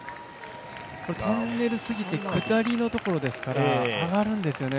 トンネル過ぎて、下りのところですから上がるんですよね